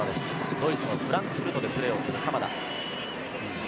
ドイツのフランクフルトでプレーをする鎌田。